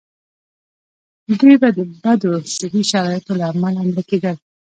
دوی به د بدو صحي شرایطو له امله مړه کېدل.